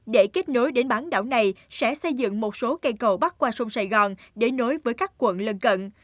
để kết nối đến bán đảo này sẽ xây dựng một số cây cầu bắc qua sông sài gòn để nối với các quận lân cận